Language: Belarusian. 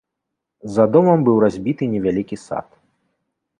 За домам быў разбіты невялікі сад.